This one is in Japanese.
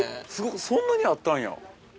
そんなにあったんや。